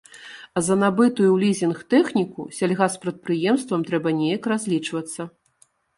А за набытую ў лізінг тэхніку сельгаспрадпрыемствам трэба неяк разлічвацца.